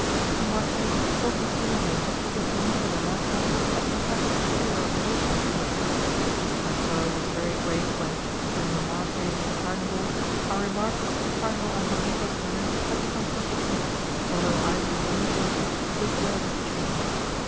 The marchioness told me jeeringly that the Signora Dalacqua had contracted peculiar obligations towards me, but my sorrow was very great when, during the last days of the carnival, I remarked that Cardinal Acquaviva's manner had become constrained, although I was the only person who observed the change.